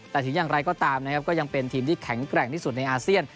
แต่ถึงอย่างไรก็ตามนะครับก็ยังเป็นทีมที่แข็งแกร่งที่สุดในอาเซียน